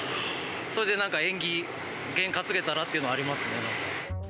それでなんか縁起げん担げたらっていうのはありますね。